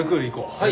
はい。